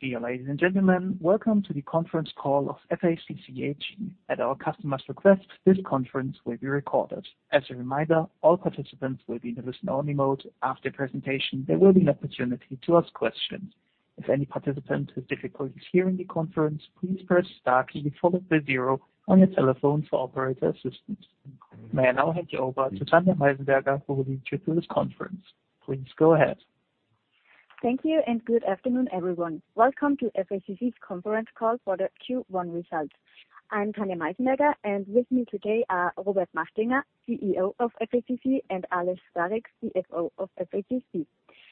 Dear ladies and gentlemen, welcome to the conference call of FACC AG. At our customer's request, this conference will be recorded. As a reminder, all participants will be in the listen-only mode. After presentation, there will be an opportunity to ask questions. If any participant has difficulties hearing the conference, please press star key followed by zero on your telephone for operator assistance. May I now hand you over to Tanja Meisenberger who will lead you through this conference. Please go ahead. Thank you and good afternoon, everyone. Welcome to FACC's conference call for the Q1 results. I'm Tanja Meisenberger, and with me today are Robert Machtlinger, CEO of FACC, and Aleš Stárek, CFO of FACC.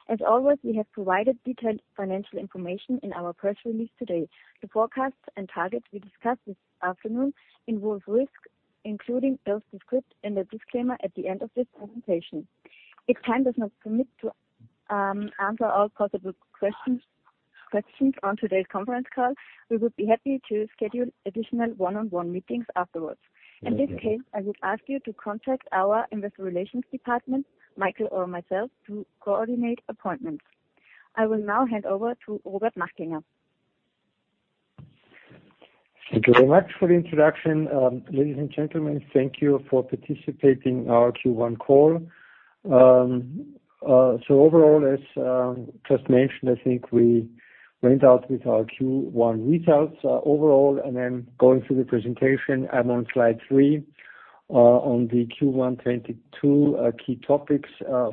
As always, we have provided detailed financial information in our press release today. The forecasts and targets we discussed this afternoon involve risks, including those described in the disclaimer at the end of this presentation. If time does not permit to answer all possible questions on today's conference call, we would be happy to schedule additional one-on-one meetings afterwards. In this case, I would ask you to contact our investor relations department, Michael or myself, to coordinate appointments. I will now hand over to Robert Machtlinger. Thank you very much for the introduction. Ladies and gentlemen, thank you for participating in our Q1 call. Overall, as just mentioned, I think we went out with our Q1 results overall, and then going through the presentation, I'm on slide 3 on the Q1 2022 key topics.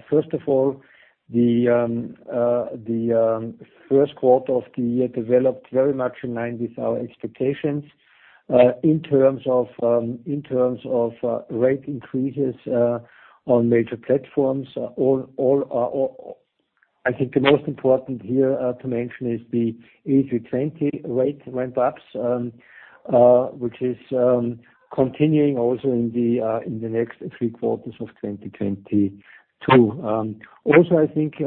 First of all, the first quarter of the year developed very much in line with our expectations in terms of rate increases on major platforms. I think the most important here to mention is the A320 rate ramp-ups, which is continuing also in the next 3 quarters of 2022. Also I think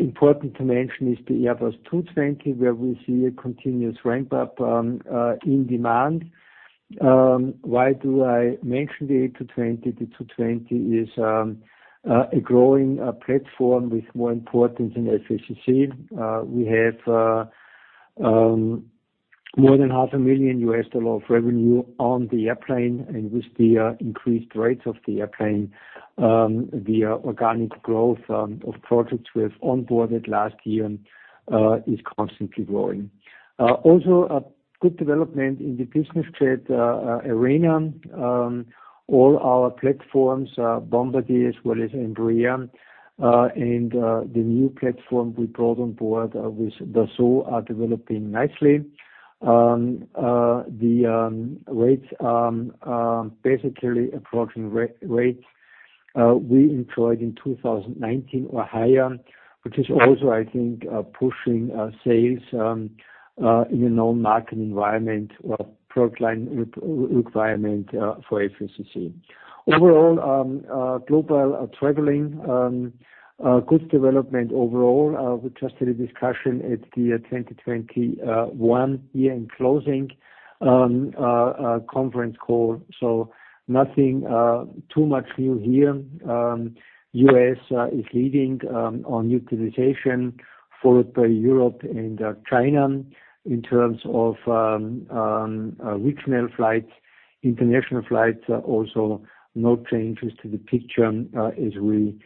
important to mention is the Airbus two twenty, where we see a continuous ramp-up in demand. Why do I mention the A220? The two twenty is a growing platform with more importance in FACC. We have more than half a million US dollars of revenue on the airplane and with the increased rates of the airplane, the organic growth of projects we have onboarded last year and is constantly growing. Also a good development in the business jet Aerion, all our platforms, Bombardier as well as Embraer, and the new platform we brought on board with Dassault are developing nicely. The rates basically approaching the rate we employed in 2019 or higher, which is also, I think, pushing sales in a known market environment or product line requirement for FACC. Overall, global traveling good development overall. We just had a discussion at the 2021 year-end closing conference call. Nothing too much new here. U.S. is leading on utilization, followed by Europe and China. In terms of regional flights, international flights, also no changes to the picture as we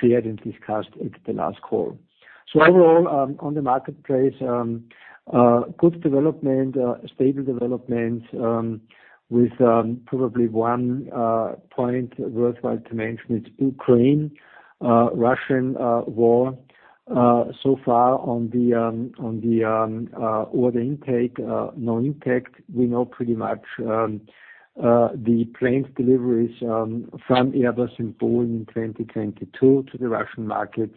shared and discussed at the last call. Overall on the marketplace good development, stable development with probably one point worthwhile to mention is Ukraine Russian war. So far on the order intake, no impact. We know pretty much the planes deliveries from Airbus and Boeing in 2022 to the Russian market.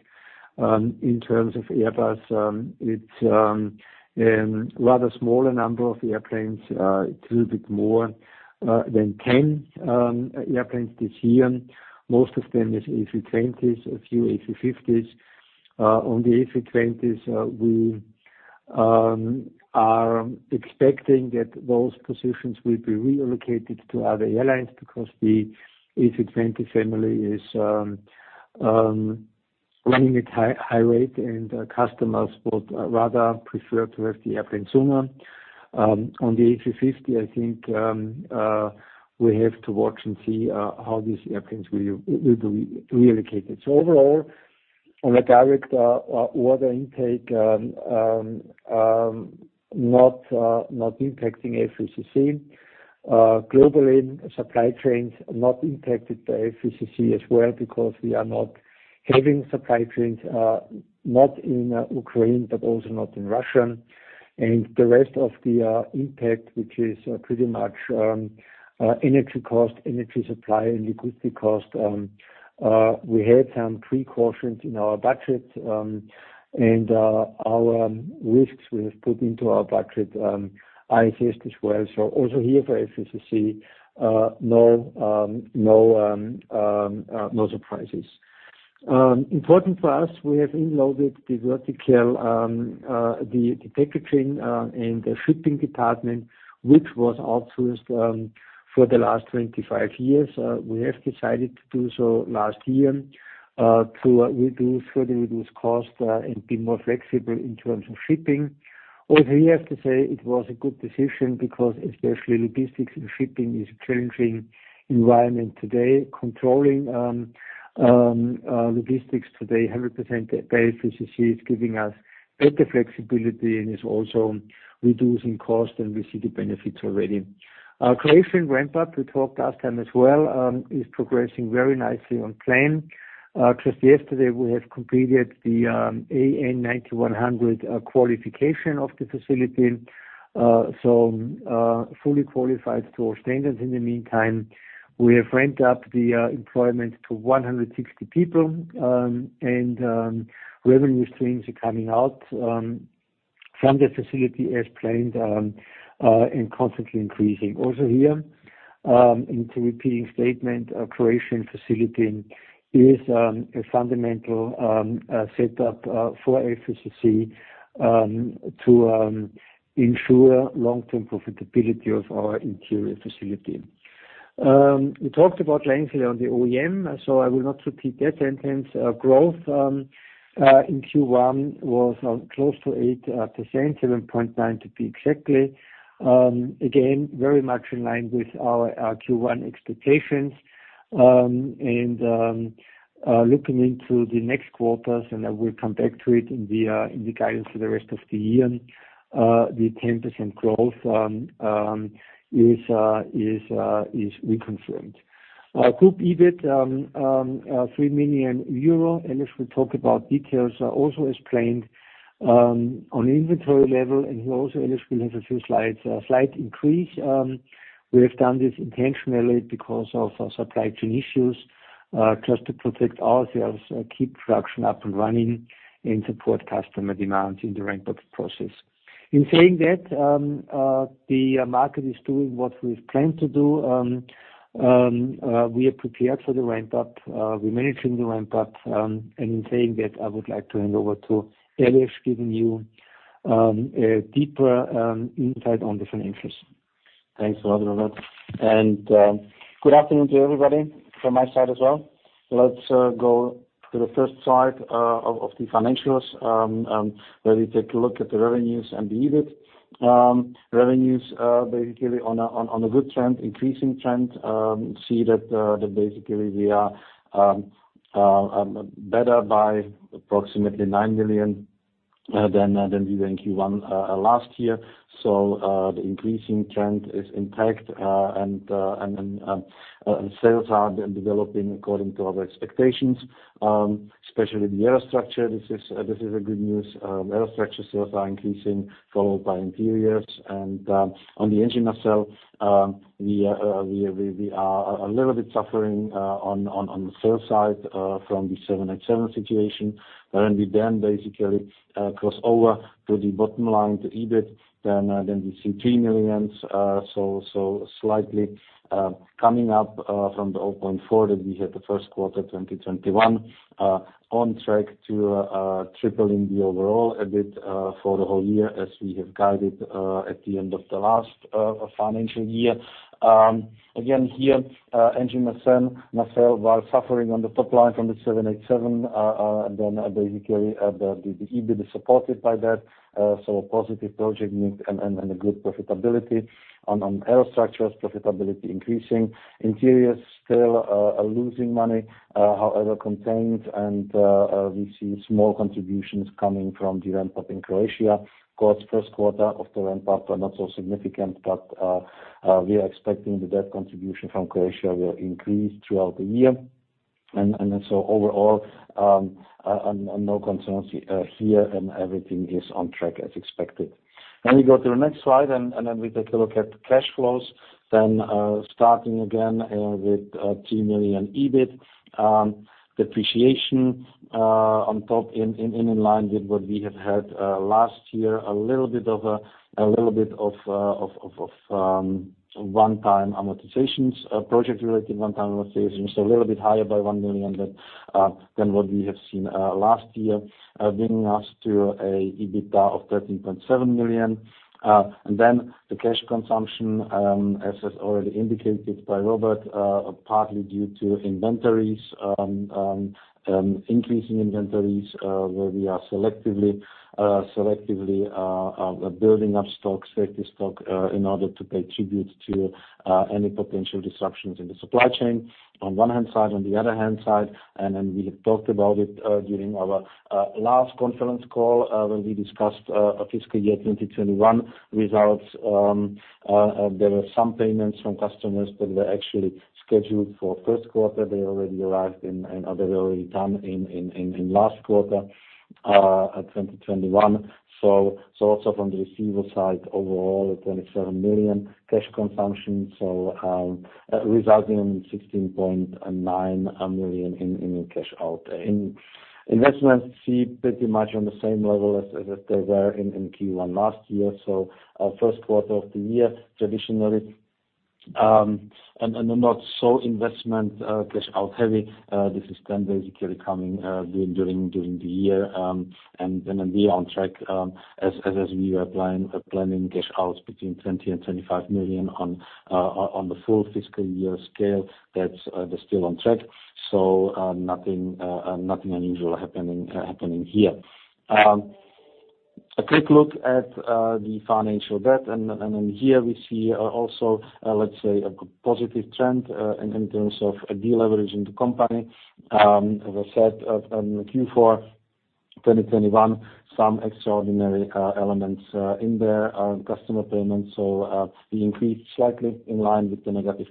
In terms of Airbus, it's rather smaller number of airplanes, a little bit more than 10 airplanes this year. Most of them is A320s, a few A350s. On the A320s, we are expecting that those positions will be reallocated to other airlines because the A320 family is running at high rate and customers would rather prefer to have the airplanes sooner. On the A350, I think we have to watch and see how these airplanes will be reallocated. Overall, on the direct order intake, not impacting FACC. Globally, supply chains not impacted by FACC as well because we are not having supply chains, not in Ukraine, but also not in Russia. The rest of the impact, which is pretty much energy cost, energy supply, and liquidity cost, we had some precautions in our budget, and our risks we have put into our budget, I assess as well. Also here for FACC, no surprises. Important for us, we have insourced the vertical, the supply chain, and the shipping department, which was outsourced for the last 25 years. We have decided to do so last year to further reduce cost and be more flexible in terms of shipping. We have to say it was a good decision because especially logistics and shipping is a challenging environment today. Controlling logistics today 100% at FACC is giving us better flexibility and is also reducing cost, and we see the benefits already. Our Croatian ramp up, we talked last time as well, is progressing very nicely on plan. Just yesterday, we have completed the EN 9100 qualification of the facility, so fully qualified to our standards. In the meantime, we have ramped up the employment to 160 people, and revenue streams are coming out from the facility as planned and constantly increasing. Here, and to reiterate, a Croatian facility is a fundamental setup for FACC to ensure long-term profitability of our interior facility. We talked about lengthily on the OEM, so I will not repeat that. Intense growth in Q1 was close to 8%, 7.9 to be exactly. Again, very much in line with our Q1 expectations, and looking into the next quarters, and I will come back to it in the guidance for the rest of the year, the 10% growth is reconfirmed. Our group EBIT, 3 million euro, and as we talked about details are also as planned, on inventory level. Here also, we have a few slides, slight increase. We have done this intentionally because of supply chain issues, just to protect ourselves, keep production up and running and support customer demands in the ramp-up process. In saying that, the market is doing what we've planned to do. We are prepared for the ramp up. We're managing the ramp up, and in saying that, I would like to hand over to Aleš Starek, giving you a deeper insight on the financials. Thanks a lot, Robert. Good afternoon to everybody from my side as well. Let's go to the first slide of the financials, where we take a look at the revenues and the EBIT. Revenues basically on a good trend, increasing trend. See that basically we are better by approximately 9 million than we were in Q1 last year. The increasing trend is intact, and sales are then developing according to our expectations, especially Aerostructures. This is good news. Aerostructures sales are increasing, followed by Interiors. On the Engines & Nacelles, we are a little bit suffering on the sales side from the 787 situation. We then basically cross over to the bottom line to EBIT, then we see 3 million slightly coming up from the 0.4 million that we had the first quarter, 2021. On track to tripling the overall EBIT for the whole year as we have guided at the end of the last financial year. Again, here, engine nacelle while suffering on the top line from the 787 and then basically the EBIT is supported by that. So a positive project mix and a good profitability. On aerostructure, profitability increasing. Interiors still losing money, however contained and we see small contributions coming from the ramp-up in Croatia. Of course, first quarter of the ramp-up are not so significant, but we are expecting that contribution from Croatia will increase throughout the year. Overall, no concerns here, and everything is on track as expected. We go to the next slide, and then we take a look at cash flows. Starting again with 3 million EBIT. Depreciation on top in line with what we have had last year, a little bit of one-time amortizations, project-related one-time amortizations, a little bit higher by 1 million than what we have seen last year, bringing us to a EBITA of 13.7 million. The cash consumption, as is already indicated by Robert, partly due to inventories, increasing inventories, where we are selectively building up stocks, safety stock, in order to pay tribute to any potential disruptions in the supply chain on one hand side, on the other hand side. We have talked about it during our last conference call when we discussed fiscal year 2021 results. There were some payments from customers that were actually scheduled for first quarter. They already arrived and are already done in last quarter 2021. Also from the receivable side, overall, 27 million cash consumption, resulting in 16.9 million in cash out. In investments, we see pretty much on the same level as they were in Q1 last year. Our first quarter of the year, traditionally, and not so investment cash out heavy. This is then basically coming during the year. We are on track, as we were planning cash outs between 20 million and 25 million on the full fiscal year scale. That's still on track. Nothing unusual happening here. A quick look at the financial debt. Here we see also, let's say a positive trend in terms of deleveraging of the company. As I said, Q4 2021, some extraordinary elements in there, customer payments. We increased slightly in line with the negative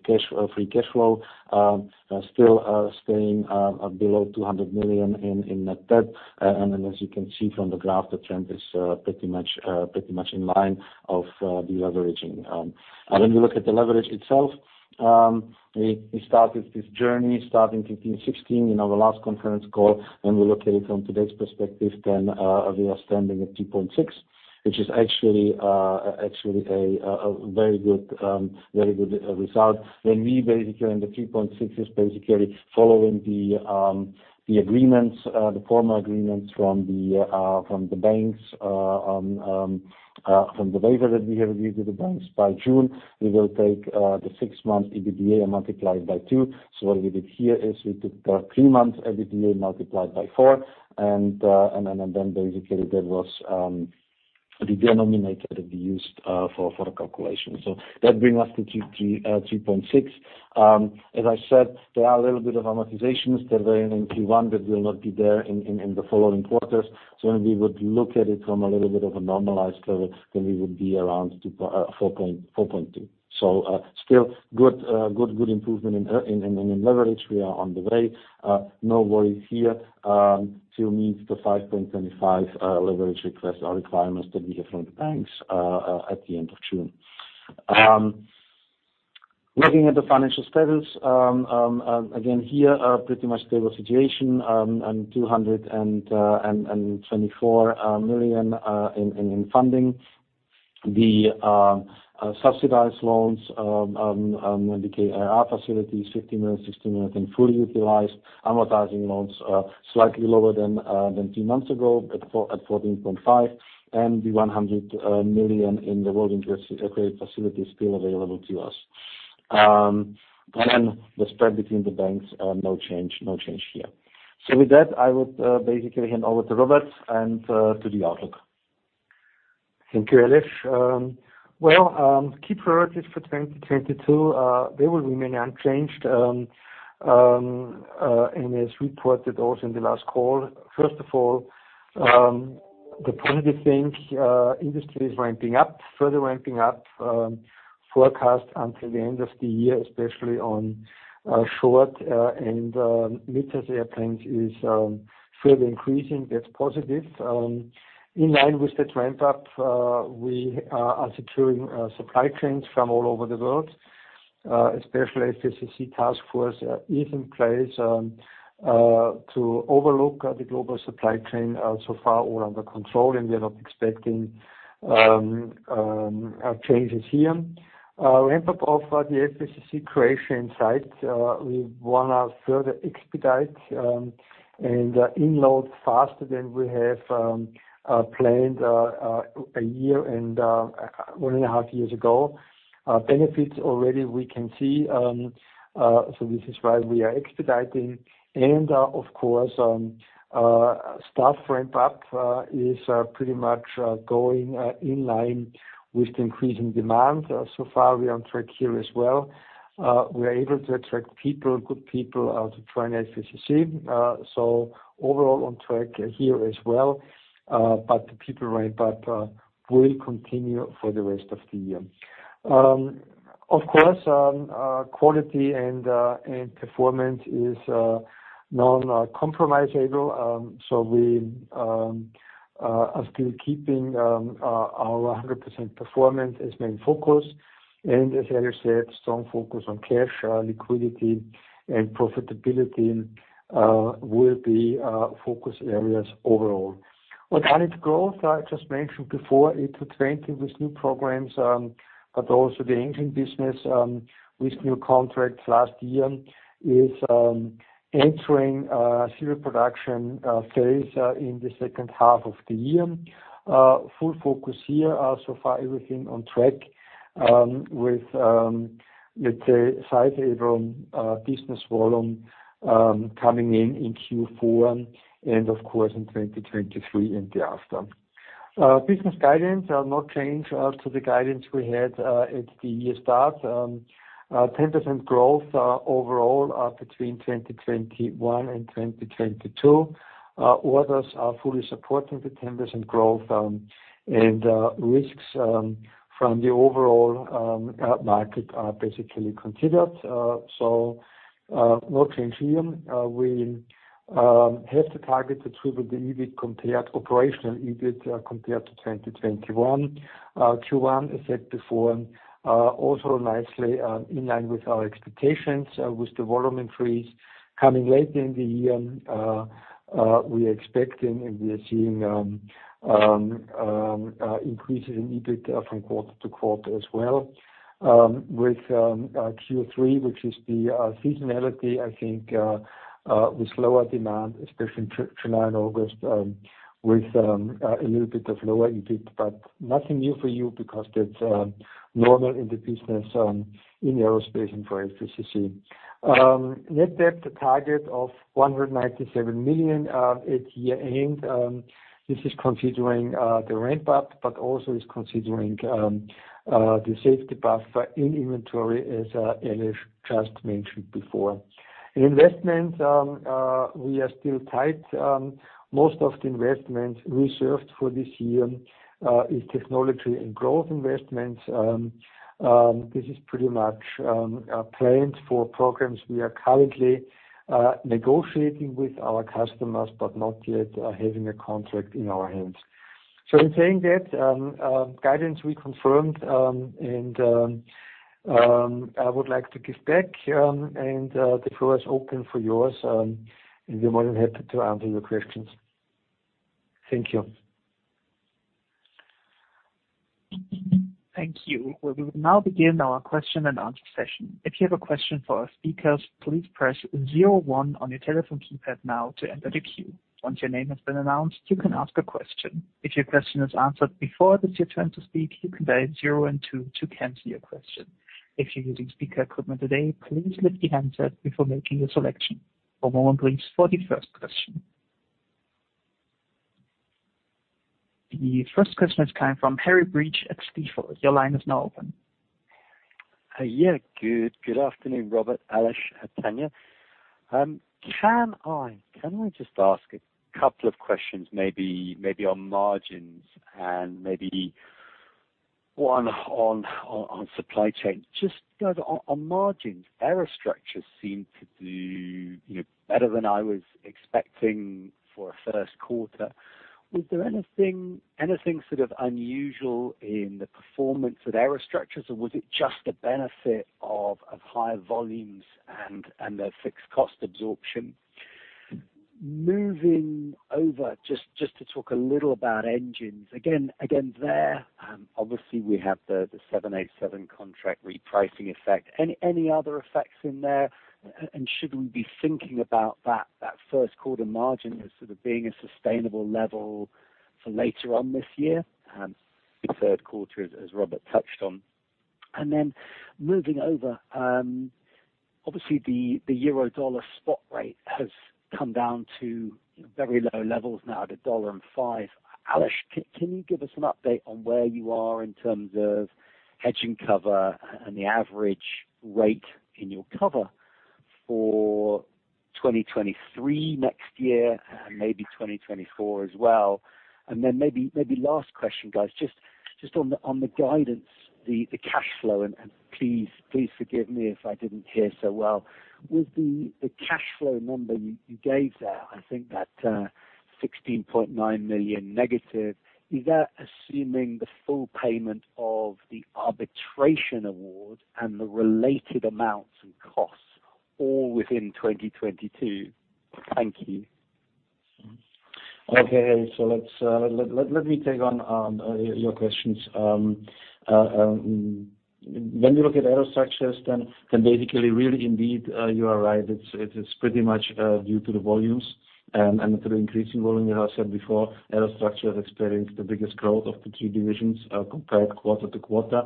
free cash flow, still staying below 200 million in net debt. As you can see from the graph, the trend is pretty much in line with deleveraging. When we look at the leverage itself, we started this journey starting 15-16 in our last conference call, and we look at it from today's perspective, we are standing at 2.6, which is actually a very good result. When we basically, the 3.6 is basically following the agreements, the formal agreements from the banks, from the waiver that we have reviewed with the banks. By June, we will take the six-month EBITDA and multiply it by 2. What we did here is we took the three-month EBITDA and multiplied by 4 and then basically that was the denominator that we used for the calculation. That brings us to 3.6. As I said, there are a little bit of amortizations that were in Q1 that will not be there in the following quarters. When we would look at it from a little bit of a normalized level, then we would be around 4.2. Still good improvement in leverage. We are on the way. No worries here. Still needs the 5.25 leverage requests or requirements that we have from the banks at the end of June. Looking at the financial status, again, here, pretty much stable situation, and 224 million in funding. The subsidized loans, the KRR facilities, 50 million, 60 million can fully utilize. Amortizing loans are slightly lower than two months ago, at 14.5 million. The 100 million in the rolling credit facility is still available to us. The spread between the banks are no change here. With that, I would basically hand over to Robert and to the outlook. Thank you, Aleš Starek. Well, key priorities for 2022, they will remain unchanged, and as reported also in the last call. First of all, the positive thing, industry is ramping up, further ramping up, forecast until the end of the year, especially on short and midsize airplanes is further increasing. That's positive. In line with the ramp up, we are securing supply chains from all over the world, especially as FACC task force is in place to overlook the global supply chain, so far all under control, and we are not expecting changes here. Ramp up of the FACC Croatian site, we wanna further expedite and inload faster than we have planned a year and one and a half years ago. Benefits already we can see, so this is why we are expediting. Of course, staff ramp up is pretty much going in line with the increasing demand. So far, we are on track here as well. We are able to attract people, good people, to join FACC. So overall on track here as well, but the people ramp up will continue for the rest of the year. Of course, quality and performance is non-compromisable. So we are still keeping our 100% performance as main focus. As Aleš Starek said, strong focus on cash, liquidity and profitability will be focus areas overall. Organic growth, I just mentioned before, A220 with new programs, but also the engine business with new contracts last year is entering a serial production phase in the second half of the year. Full focus here. So far everything on track with, let's say sizable business volume coming in in Q4 and of course in 2023 and thereafter. Business guidance are no change to the guidance we had at the year start. Ten percent growth overall are between 2021 and 2022. Orders are fully supporting the 10% growth, and risks from the overall market are basically considered. No change here. We have to target to triple the operational EBIT compared to 2021. Q1, I said before, also nicely in line with our expectations, with the volume increase coming late in the year. We are expecting, and we are seeing, increases in EBIT from quarter to quarter as well. With Q3, which is the seasonality, I think, with lower demand, especially July and August, with a little bit of lower EBIT, but nothing new for you because that's normal in the business, in aerospace and for FACC. Net debt, the target of 197 million at year-end. This is considering the ramp-up, but also is considering the safety buffer in inventory, as Aleš just mentioned before. In investment, we are still tight. Most of the investment reserved for this year is technology and growth investments. This is pretty much planned for programs we are currently negotiating with our customers, but not yet having a contract in our hands. In saying that, guidance we confirmed, and I would like to give back, and the floor is open for yours, and we're more than happy to answer your questions. Thank you. Thank you. We will now begin our question and answer session. If you have a question for our speakers, please press zero one on your telephone keypad now to enter the queue. Once your name has been announced, you can ask a question. If your question is answered before it is your turn to speak, you can dial zero and two to cancel your question. If you're using speaker equipment today, please lift your handset before making your selection. One moment please for the first question. The first question is coming from Harry Breach at Stifel. Your line is now open. Yeah, good. Good afternoon, Robert, Aleš and Tanja. Can I just ask a couple of questions maybe on margins and maybe one on supply chain? Just, you know, on margins, Aerostructures seem to do better than I was expecting for a first quarter. Was there anything sort of unusual in the performance of Aerostructures, or was it just a benefit of higher volumes and their fixed cost absorption? Moving over, just to talk a little about engines. Again, there obviously we have the 787 contract repricing effect. Any other effects in there, and should we be thinking about that first quarter margin as sort of being a sustainable level for later on this year, the third quarter as Robert touched on? Moving over, obviously the euro dollar spot rate has come down to very low levels now at 1.05. Aleš, can you give us an update on where you are in terms of hedging cover and the average rate in your cover for 2023 next year and maybe 2024 as well? Maybe last question, guys. Just on the guidance, the cash flow, and please forgive me if I didn't hear so well. With the cash flow number you gave there, I think that -16.9 million, is that assuming the full payment of the arbitration award and the related amounts and costs all within 2022? Thank you. Okay. Let me take on your questions. When we look at Aerostructures, then basically really indeed you are right. It's pretty much due to the volumes and to the increasing volume. As I said before, Aerostructures experienced the biggest growth of the three divisions compared quarter-over-quarter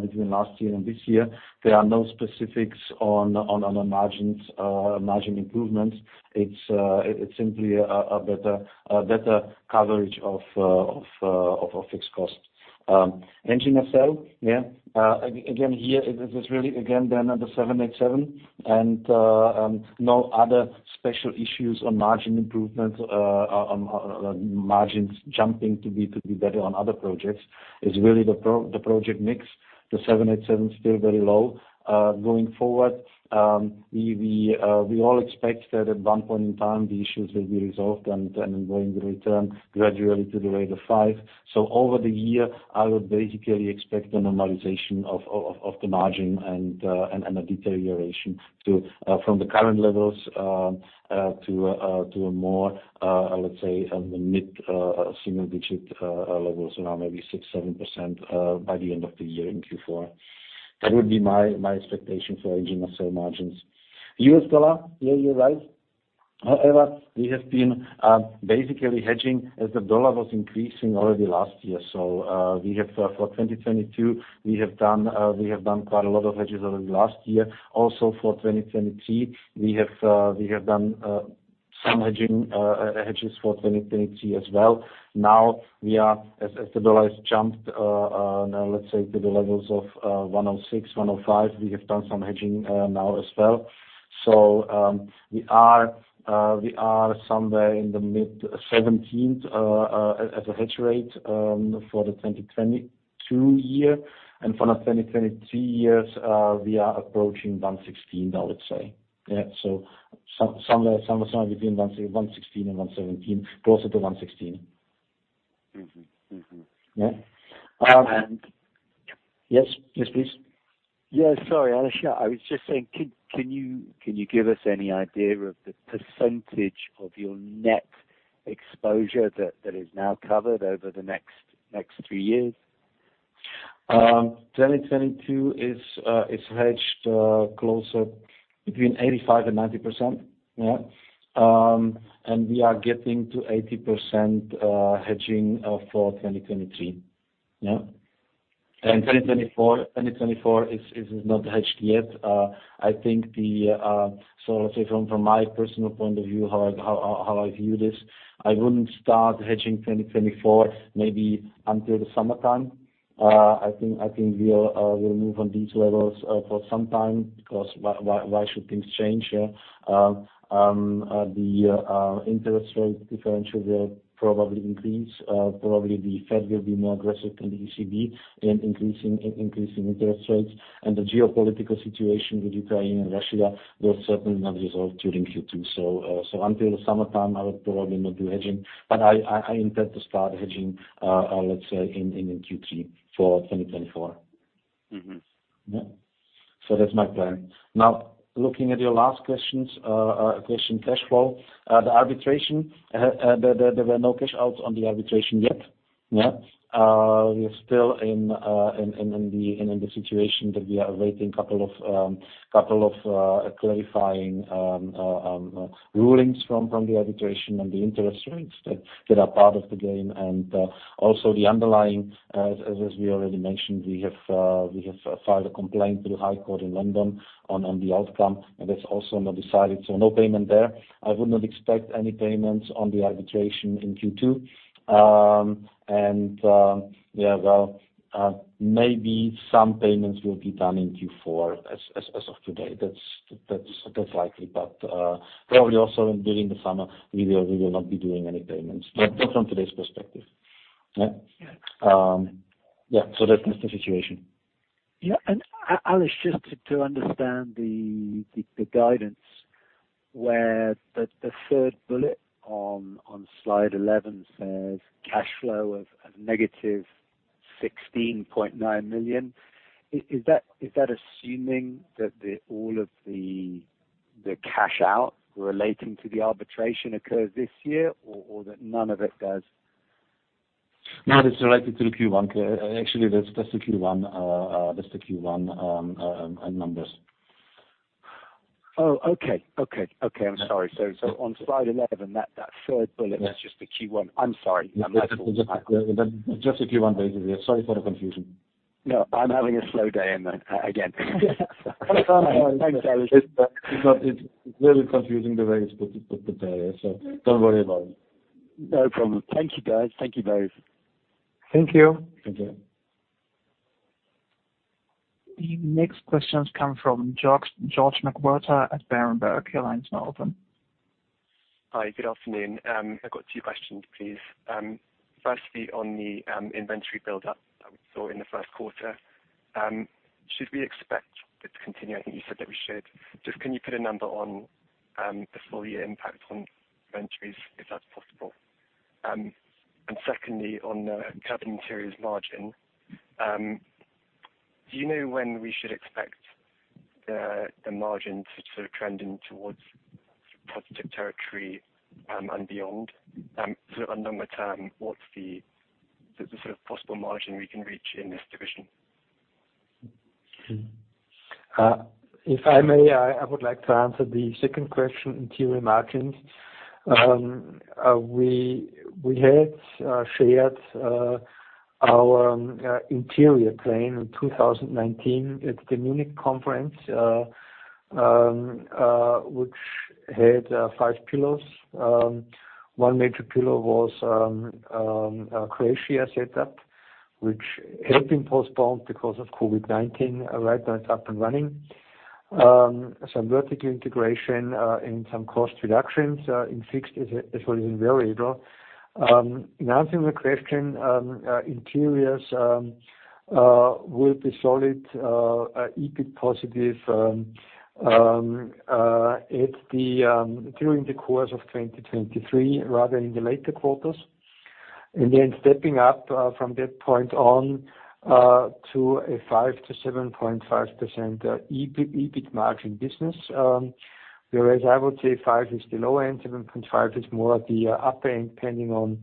between last year and this year. There are no specifics on the margins, margin improvements. It's simply a better coverage of our fixed costs. Engines & Nacelles, yeah. Again, here it is really another 787 and no other special issues on margin improvements on margins jumping to be better on other projects. It's really the project mix, the 787 still very low. Going forward, we all expect that at one point in time the issues will be resolved and going to return gradually to the rate of 5. Over the year, I would basically expect a normalization of the margin and a deterioration from the current levels to a more, let's say, mid single digit levels around maybe 6-7% by the end of the year in Q4. That would be my expectation for Engines & Nacelles margins. US dollar, yeah, you're right. However, we have been basically hedging as the dollar was increasing already last year. We have for 2022 done quite a lot of hedges already last year. Also for 2023, we have done some hedging, hedges for 2023 as well. Now, as the dollar has jumped, now let's say to the levels of 1.06, 1.05, we have done some hedging now as well. We are somewhere in the mid-1.17 as a hedge rate for the 2022 year, and for the 2023 years, we are approaching 1.16 now, let's say. Yeah, somewhere between 1.16 and 1.17, closer to 1.16. Mm-hmm. Mm-hmm. Yeah. Um- Yes. Yes, please. Yeah, sorry, Aleš, I was just saying, can you give us any idea of the percentage of your net exposure that is now covered over the next three years? 2022 is hedged closer between 85% and 90%. Yeah. We are getting to 80% hedging for 2023. Yeah. 2024 is not hedged yet. I think the... Let's say from my personal point of view, how I view this, I wouldn't start hedging 2024 maybe until the summertime. I think we'll move on these levels for some time because why should things change, yeah? The interest rate differential will probably increase. Probably the Fed will be more aggressive than the ECB in increasing interest rates. The geopolitical situation with Ukraine and Russia will certainly not resolve during Q2. Until the summertime, I would probably not do hedging. I intend to start hedging, let's say in Q3 for 2024. Mm-hmm. That's my plan. Now, looking at your last questions, cash flow. The arbitration, there were no cash outs on the arbitration yet. We are still in the situation that we are awaiting couple of clarifying rulings from the arbitration and the interest rates that are part of the game. Also the underlying, as we already mentioned, we have filed a complaint to the High Court in London on the outcome, and that's also not decided. No payment there. I would not expect any payments on the arbitration in Q2. Maybe some payments will be done in Q4 as of today. That's likely. probably also during the summer we will not be doing any payments. That's from today's perspective. Yeah. Yeah. Yeah. That's the situation. Yeah. Aleš, just to understand the guidance, where the third bullet on slide 11 says cash flow of negative 16.9 million. Is that assuming that all of the cash out relating to the arbitration occurs this year or that none of it does? No, that's related to the Q1. Actually, that's the Q1 numbers. Okay. I'm sorry. On slide 11, that third bullet. Yeah. This is just the Q1. I'm sorry. Yeah. My fault. Just the Q1. Sorry for the confusion. No, I'm having a slow day again. Thanks, Aleš. It's really confusing the way it's put together, so don't worry about it. No problem. Thank you, guys. Thank you both. Thank you. Thank you. The next questions come from George McWhirter at Berenberg. Your line is now open. Hi. Good afternoon. I've got two questions, please. Firstly, on the inventory buildup that we saw in the first quarter, should we expect it to continue? I think you said that we should. Just, can you put a number on the full year impact on inventories, if that's possible? And secondly, on cabin interiors margin, do you know when we should expect the margin to sort of trend in towards positive territory, and beyond? Sort of a number term, what's the sort of possible margin we can reach in this division? If I may, I would like to answer the second question, Interiors margins. We had shared our Interiors plan in 2019 at the Munich conference, which had five pillars. One major pillar was Croatian setup, which had been postponed because of COVID-19. Right now it's up and running. Some vertical integration and some cost reductions in fixed as well as in variable. In answering the question, Interiors will be solid EBIT positive during the course of 2023, rather in the later quarters. Stepping up from that point on to a 5%-7.5% EBIT margin business. Whereas I would say 5% is the lower end, 7.5% is more the upper end, depending on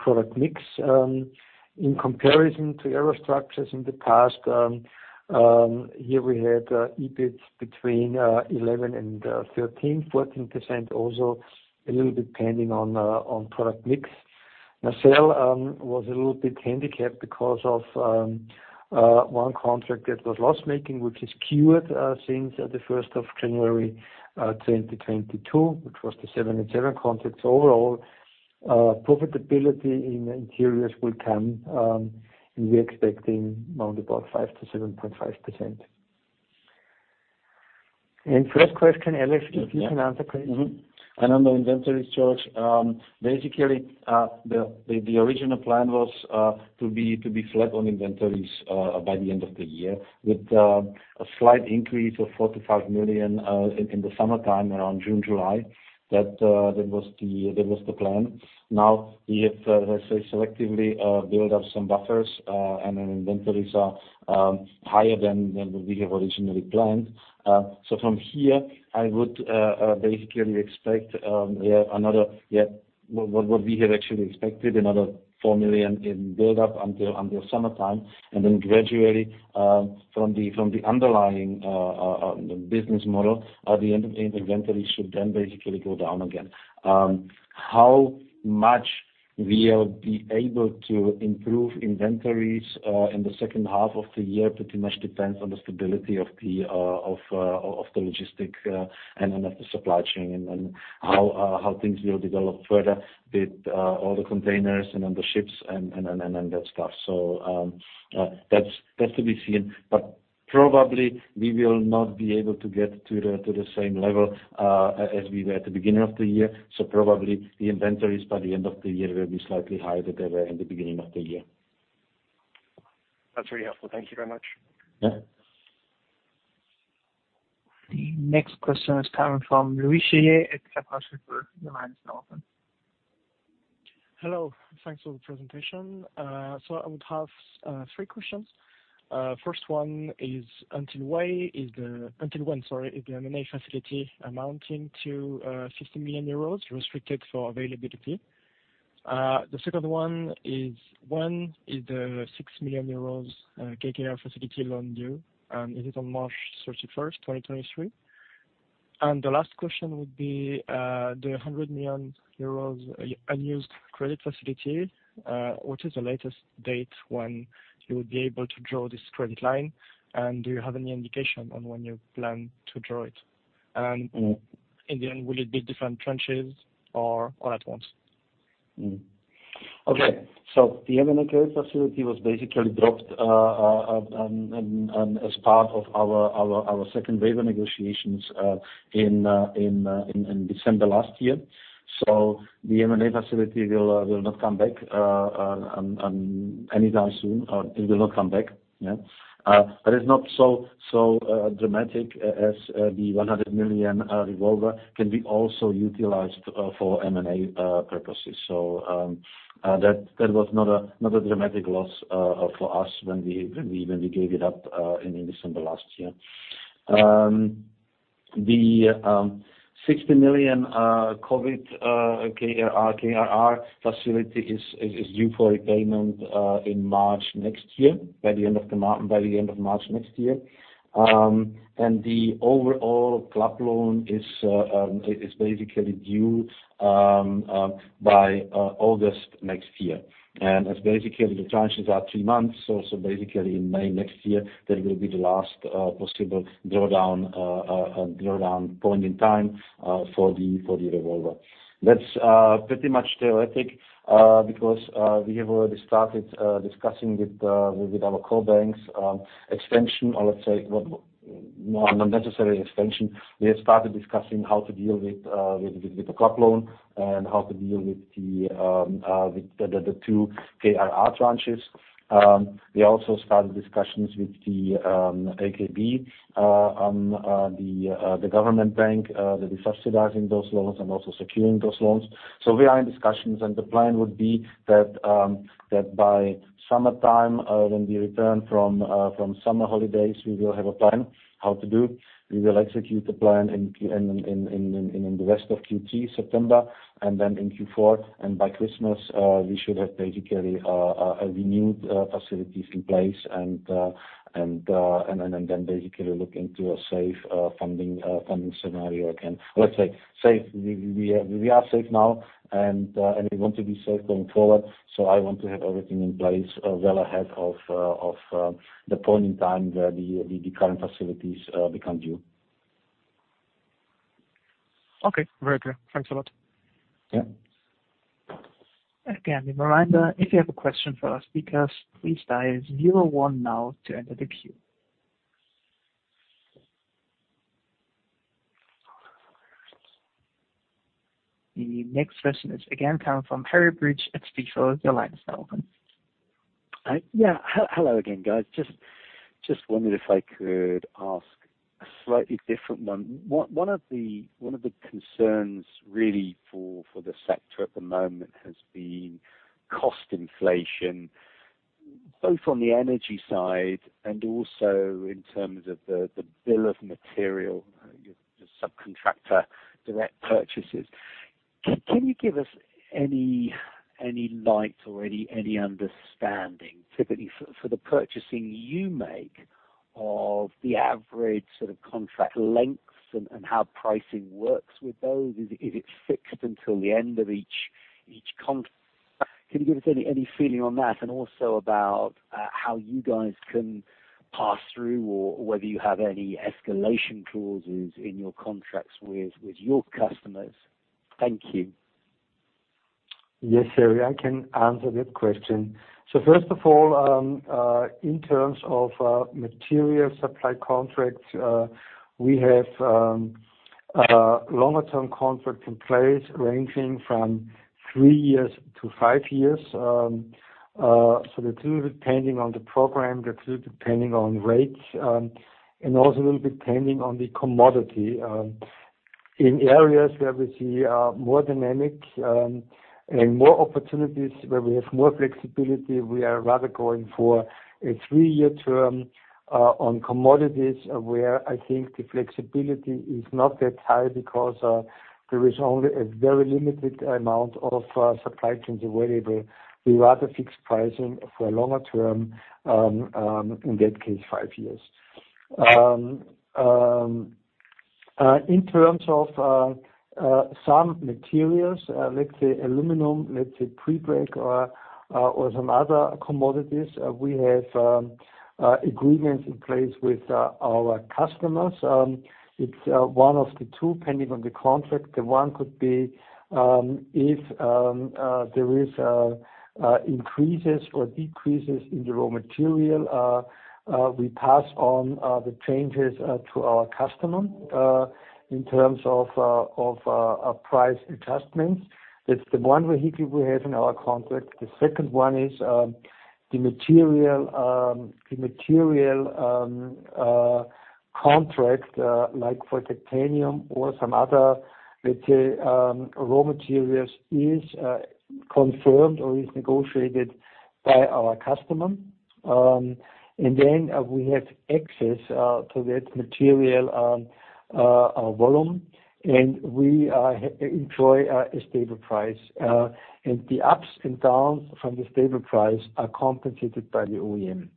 product mix. In comparison to Aerostructures in the past, here we had EBIT between 11% and 13%, 14% also, a little depending on product mix. Interiors was a little bit handicapped because of one contract that was loss-making, which is cured since the first of January 2022, which was the 7 and 7 contracts. Overall, profitability in Interiors will come, and we're expecting round about 5%-7.5%. Third question, Aleš, if you can answer please. On the inventories, George, basically, the original plan was to be flat on inventories by the end of the year with a slight increase of 45 million in the summertime around June, July. That was the plan. Now we have, let's say selectively, built up some buffers, and then inventories are higher than we have originally planned. So from here, I would basically expect what we have actually expected another 4 million in build up until summertime. Then gradually, from the underlying, the business model at the end of the inventories should then basically go down again. How much we'll be able to improve inventories in the second half of the year pretty much depends on the stability of the logistics and of the supply chain and how things will develop further with all the containers and then the ships and then that stuff. That's to be seen. Probably we will not be able to get to the same level as we were at the beginning of the year. Probably the inventories by the end of the year will be slightly higher than they were in the beginning of the year. That's very helpful. Thank you very much. Yeah. The next question is coming from Louis Cheer at. Your line is now open. Hello. Thanks for the presentation. So I would have three questions. First one is until when is the M&A facility amounting to 50 million euros restricted for availability? The second one is when is the 6 million euros KKR facility loan due? Is it on March 31, 2023? And the last question would be the 100 million euros unused credit facility, what is the latest date when you would be able to draw this credit line? And do you have any indication on when you plan to draw it? And in the end, will it be different tranches or at once? Okay. The M&A credit facility was basically dropped as part of our second waiver negotiations in December last year. The M&A facility will not come back anytime soon. It will not come back. That is not so dramatic as the 100 million revolver can be also utilized for M&A purposes. That was not a dramatic loss for us when we gave it up in December last year. The EUR 60 million COVID KRR facility is due for repayment in March next year, by the end of March next year. The overall club loan is basically due by August next year. As basically the tranches are three months, basically in May next year, that will be the last possible draw down point in time for the revolver. That's pretty much theoretical because we have already started discussing with our core banks extension or let's say, well, not necessarily extension. We have started discussing how to deal with the club loan and how to deal with the two KRR tranches. We also started discussions with the aws, the government bank that is subsidizing those loans and also securing those loans. We are in discussions, and the plan would be that by summertime, when we return from summer holidays, we will have a plan how to do. We will execute the plan in the rest of Q3, September, and then in Q4. By Christmas, we should have basically a renewed facilities in place and then basically look into a safe funding scenario again. Let's say safe. We are safe now and we want to be safe going forward. I want to have everything in place well ahead of the point in time where the current facilities become due. Okay. Very clear. Thanks a lot. Yeah. Again, reminder, if you have a question for our speakers, please dial zero one now to enter the queue. The next question is again coming from Harry Breach at Stifel. Your line is now open. Hello again, guys. Just wondered if I could ask a slightly different one. One of the concerns really for the sector at the moment has been cost inflation, both on the energy side and also in terms of the bill of material, the subcontractor direct purchases. Can you give us any light or any understanding, typically for the purchasing you make of the average sort of contract lengths and how pricing works with those. Is it fixed until the end of each contract? Can you give us any feeling on that? Also about how you guys can pass through or whether you have any escalation clauses in your contracts with your customers. Thank you. Yes, Harry, I can answer that question. First of all, in terms of material supply contracts, we have longer term contracts in place ranging from three years to five years. They vary depending on the program, rates, and also a little bit depending on the commodity. In areas where we see more dynamic and more opportunities where we have more flexibility, we are rather going for a three-year term on commodities where I think the flexibility is not that high because there is only a very limited amount of supply chains available. We rather fix pricing for a longer term, in that case, five years. In terms of some materials, let's say aluminum, let's say prepreg or some other commodities, we have agreements in place with our customers. It's one of the two depending on the contract. The one could be if there is increases or decreases in the raw material, we pass on the changes to our customer in terms of a price adjustment. It's the one vehicle we have in our contract. The second one is the material contract like for titanium or some other, let's say, raw materials is confirmed or is negotiated by our customer. We have access to that material volume, and we enjoy a stable price. The ups and downs from the stable price are compensated by the OEM.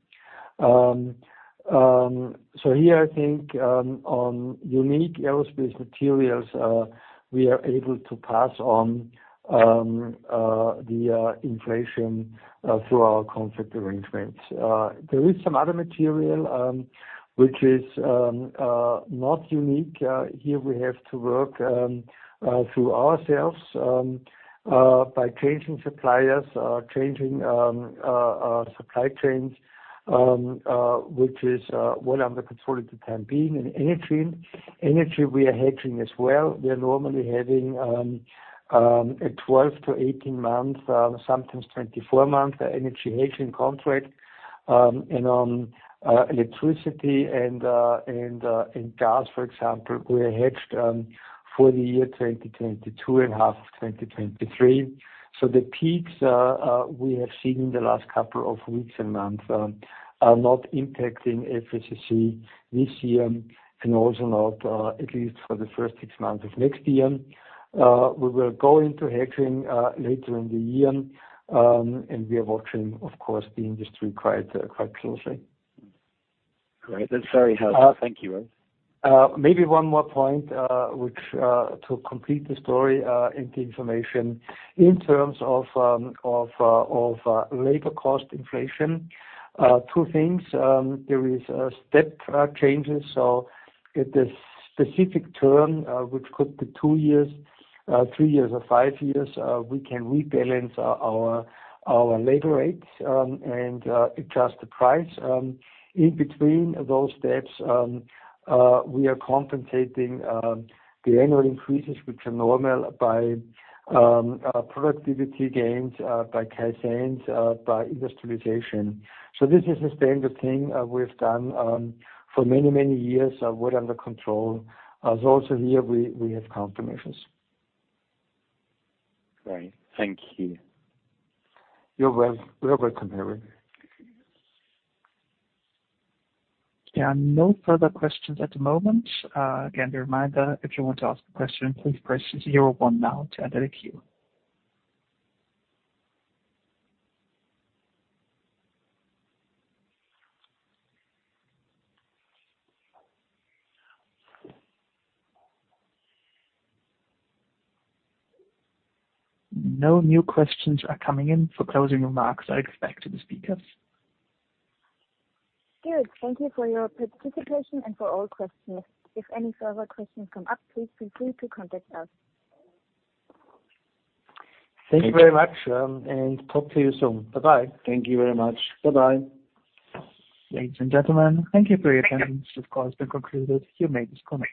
Here, I think, on unique aerospace materials, we are able to pass on the inflation through our contract arrangements. There is some other material which is not unique. Here we have to work through ourselves by changing suppliers, changing supply chains, which is well under control at the time being. Energy we are hedging as well. We are normally having a 12- to 18-month, sometimes 24-month energy hedging contract, and electricity and gas, for example, we are hedged for the year 2022 and half of 2023. The peaks we have seen in the last couple of weeks and months are not impacting FACC this year, and also not at least for the first 6 months of next year. We will go into hedging later in the year, and we are watching, of course, the industry quite closely. Great. That's very helpful. Thank you. Maybe one more point, which, to complete the story, and the information. In terms of labor cost inflation, two things. There is step changes. At this specific term, which could be 2 years, 3 years or 5 years, we can rebalance our labor rates, and adjust the price. In between those steps, we are compensating the annual increases, which are normal by productivity gains, by CapEx and by industrialization. This is a standard thing, we've done for many years, well under control. Also here we have confirmations. Great. Thank you. You're welcome, Harry. There are no further questions at the moment. Again, the reminder, if you want to ask a question, please press zero one now to enter the queue. No new questions are coming in for closing remarks. I expect to the speakers. Good. Thank you for your participation and for all questions. If any further questions come up, please feel free to contact us. Thank you very much, and talk to you soon. Bye-bye. Thank you very much. Bye-bye. Ladies and gentlemen, thank you for your attention. This call has been concluded. You may disconnect.